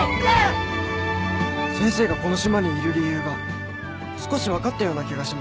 先生がこの島にいる理由が少し分かったような気がします。